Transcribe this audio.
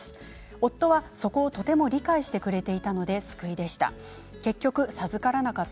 夫はそこをとても理解してくれていたので救いでした。